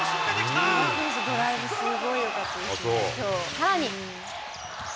さらに。